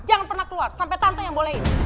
jangan pernah keluar sampai tante yang bolehin